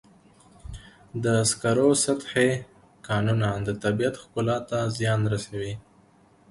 د سکرو سطحي کانونه د طبیعت ښکلا ته زیان رسوي.